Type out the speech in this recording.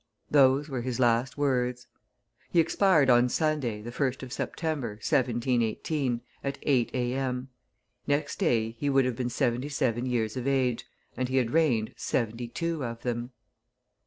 Those were his last words. He expired on Sunday, the 1st of September, 1715, at eight A. M. Next day, he would have been seventy seven years of age, and he had reigned seventy two of them.